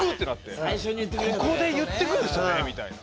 ここで言ってくるんですねみたいな。